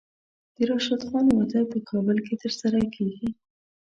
د راشد خان واده په کابل کې ترسره کیږي.